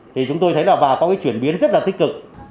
thì chúng tôi thấy là và có cái chuyển biến rất là tích cực